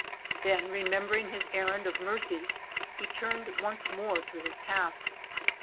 Then, remembering his errand of mercy, he turned once more to his task.